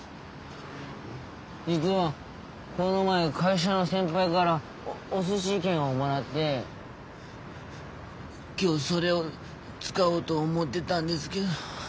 実はこの前会社の先輩からお寿司券をもらって今日それを使おうと思ってたんですけど。